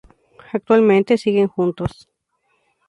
Actualmente siguen juntos.